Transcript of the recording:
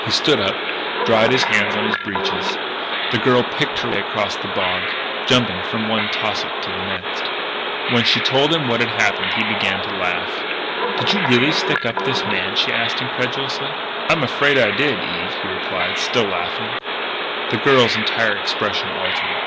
He stood up, dried his hands on his breeches. The girl picked her way across the bog, jumping from one tussock to the next. When she told him what had happened he began to laugh. "Did you really stick up this man?" she asked incredulously. "I'm afraid I did, Eve," he replied, still laughing. The girl's entire expression altered.